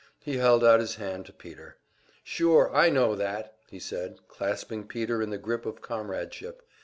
He held out his hand to Peter. "Sure, I know that!" he said, clasping Peter in the grip of comradeship.